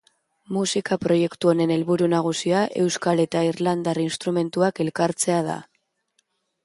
Musika proiektu honen helburu nagusia euskal eta irlandar instrumentuak elkartzea da.